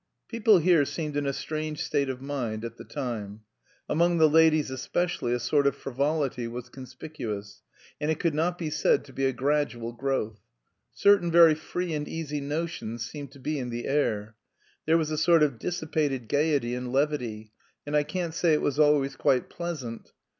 People here seemed in a strange state of mind at the time. Among the ladies especially a sort of frivolity was conspicuous, and it could not be said to be a gradual growth. Certain very free and easy notions seemed to be in the air. There was a sort of dissipated gaiety and levity, and I can't say it was always quite pleasant.